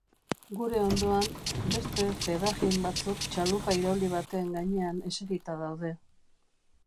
Gure ondoan, beste fedajin batzuk txalupa irauli baten gainean eserita daude.